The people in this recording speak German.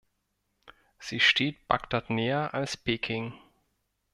Sie steht Bagdad näher als Peking.